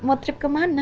mau trip kemana